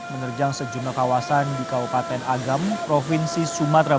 menerjang sejumlah kawasan di kabupaten agam provinsi sumatera